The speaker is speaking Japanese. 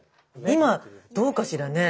今どうかしらね。